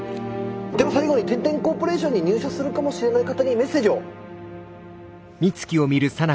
では最後に天・天コーポレーションに入社するかもしれない方にメッセージを。